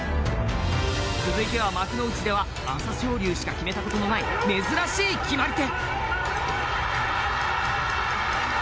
続いては、幕内では朝青龍しか決めたことのない珍しい決まり手。